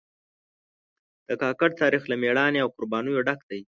د کاکړ تاریخ له مېړانې او قربانیو ډک دی.